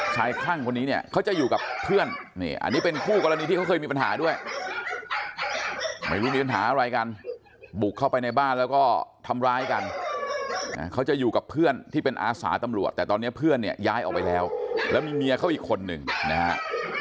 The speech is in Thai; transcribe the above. คลั่งคนนี้เนี่ยเขาจะอยู่กับเพื่อนนี่อันนี้เป็นคู่กรณีที่เขาเคยมีปัญหาด้วยไม่รู้มีปัญหาอะไรกันบุกเข้าไปในบ้านแล้วก็ทำร้ายกันเขาจะอยู่กับเพื่อนที่เป็นอาสาตำรวจแต่ตอนนี้เพื่อนเนี่ยย้ายออกไปแล้วแล้วมีเมียเขาอีกคนนึงนะฮะ